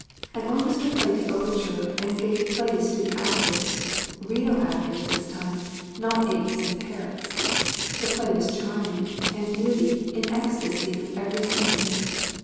An orchestra played the overture, and gave place to the actors real actors this time, not apes and parrots. The play was charming, and Beauty in ecstasy with every scene of it.